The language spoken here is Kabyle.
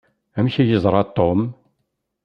Amek ay yeẓra Tom?